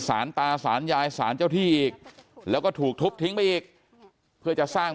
สารตาสารยายสารเจ้าที่อีกแล้วก็ถูกทุบทิ้งไปอีกเพื่อจะสร้าง